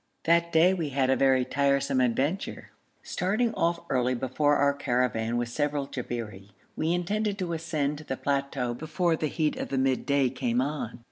That day we had a very tiresome adventure. Starting off early before our caravan with several Jabberi, we intended to ascend to the plateau before the heat of midday came on.